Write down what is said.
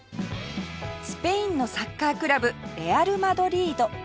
スペインのサッカークラブレアル・マドリード